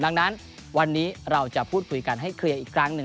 ดังนั้นวันนี้เราจะพูดคุยกันให้เคลียร์อีกครั้งหนึ่ง